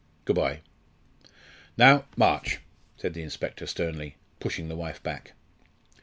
Good bye." "Now, march," said the inspector, sternly, pushing the wife back.